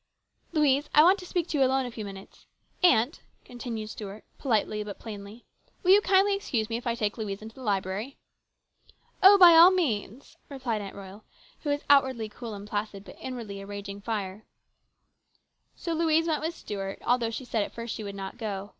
" Louise, I want to speak to you alone a few minutes. Aunt," continued Stuart politely, but plainly, " will you kindly excuse me if I take Louise into the library?" " Oh, by all means," replied Aunt Royal, who was outwardly cool and placid, but inwardly a raging fire. THE CONFERENCE. 257 So Louise went with Stuart, although she said at first she would not go.